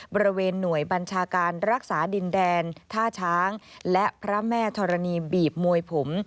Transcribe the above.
บริเวณหน่วยบัญชาการรักษาดินแดนท่าช้างและพระแม่ธรณีบีบมวยผม